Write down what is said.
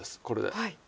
これで。